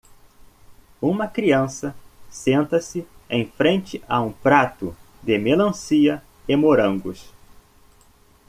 Uma criança senta-se em frente a um prato de melancia e morangos.